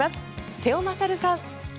瀬尾傑さん。